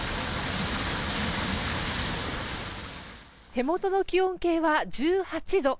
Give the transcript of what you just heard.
手元の気温計は１８度。